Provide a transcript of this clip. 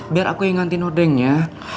biar aku ingatin hodengya